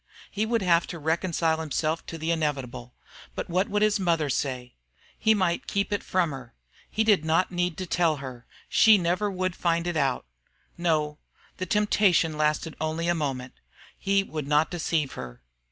He would have to reconcile himself to the inevitable. But what would his mother say? He might keep it from her, he did not need to tell her; she would never find it out. No! The temptation lasted only a moment. He would not deceive her.